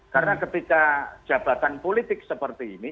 karena ketika jabatan politik seperti ini